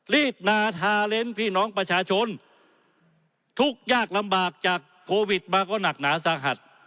รีดนาทาเล้นพี่น้องประชาชนทุกข์ยากลำบากจากโควิดมาก็หนักหนาสาหัส